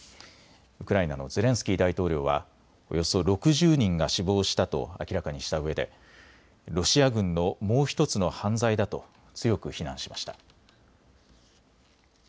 ウクライナのゼレンスキー大統領はおよそ６０人が死亡したと明らかにしたうえでロシア軍のもう１つの犯罪だと強く非難しました。